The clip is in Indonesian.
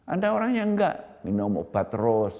ada orang yang enggak minum obat terus